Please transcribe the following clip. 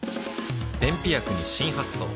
便秘薬に新発想